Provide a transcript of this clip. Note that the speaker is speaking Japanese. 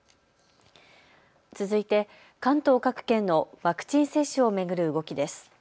続いて関東各県のワクチン接種を巡る動きです。